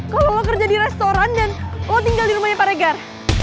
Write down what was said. kalo lo kerja di restoran dan lo tinggal di rumahnya paregar